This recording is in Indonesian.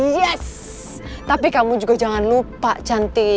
yes tapi kamu juga jangan lupa cantik